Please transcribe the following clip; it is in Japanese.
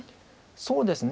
そうですね。